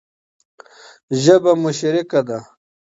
ژبه مو شريکه ده.